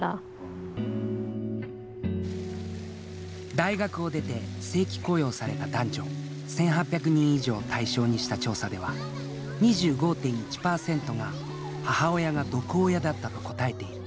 大学を出て正規雇用された男女１，８００人以上を対象にした調査では２５．１％が「母親が毒親だった」と答えている。